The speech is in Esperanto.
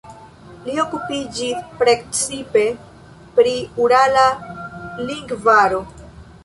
Li okupiĝis precipe pri urala lingvaro.